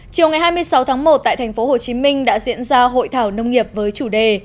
chiều ngày hai mươi sáu tháng một tại thành phố hồ chí minh đã diễn ra hội thảo nông nghiệp với chủ đề